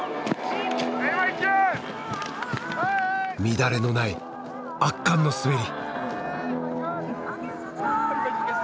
乱れのない圧巻の滑り。